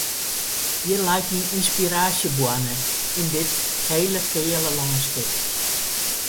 Hjir leit myn ynspiraasjeboarne, yn dit hele keale lânskip.